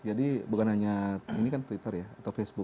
jadi bukan hanya ini kan twitter ya atau facebook